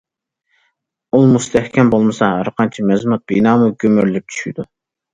ئۇل مۇستەھكەم بولمىسا، ھەرقانچە مەزمۇت بىنامۇ گۈمۈرۈلۈپ چۈشىدۇ.